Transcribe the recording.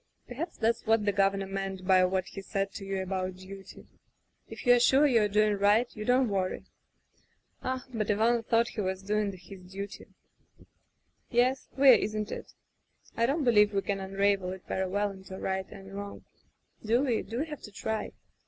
Perhaps that's what the Governor meant by what he said to you about duty — if you're sure you're doing right you don't worry." "Ah, but Ivan thought he was doing his duty " "Yes. Queer, isn't it? I don't believe we can unravel it very well into right and wrong. Do we — do we have to try